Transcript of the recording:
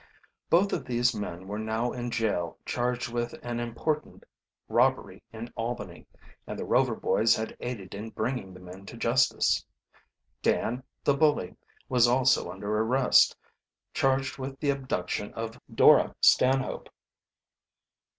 Both of these men were now in jail charged with an important robbery in Albany, and the Rover boys had aided in bringing the men to justice. Dan, the bully, was also under arrest, charged with the abduction of Dora Stanhope.